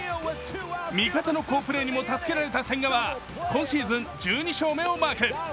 味方の好プレーにも助けられた千賀は今シーズン１２勝目をマーク。